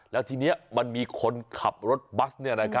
แล้วทีนี้มันมีคนขับรถบัส